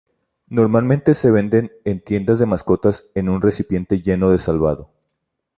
Normalmente se venden en tiendas de mascotas en un recipiente lleno de salvado.